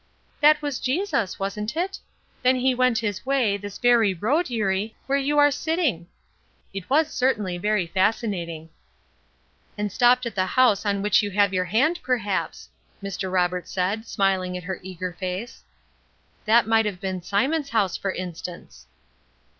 '" "That was Jesus, wasn't it? Then he went this way, this very road, Eurie, where you are sitting!" It was certainly very fascinating. "And stopped at the house on which you have your hand, perhaps," Mr. Roberts said, smiling at her eager face. "That might have been Simon's house, for instance."